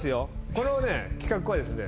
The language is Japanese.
このね企画はですね。